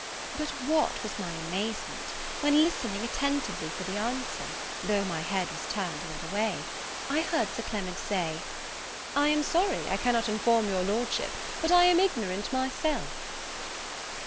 But what was my amazement, when, listening attentively for the answer, though my head was turned another way, I heard Sir Clement say, "I am sorry I cannot inform your Lordship, but I am ignorant myself."